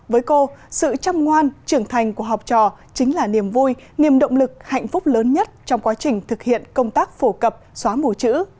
với cô sự chăm ngoan trưởng thành của học trò chính là niềm vui niềm động lực hạnh phúc lớn nhất trong quá trình thực hiện công tác phổ cập xóa mù chữ